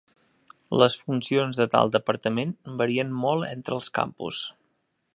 Les funcions de tal departament varien molt entre els campus.